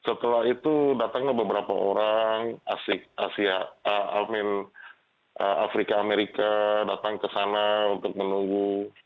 setelah itu datanglah beberapa orang asia almin afrika amerika datang ke sana untuk menunggu